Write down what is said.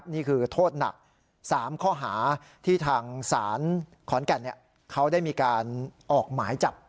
นี่คือโทษหนัก๓ข้อหาที่ทางศาลขอนแก่นเขาได้มีการออกหมายจับ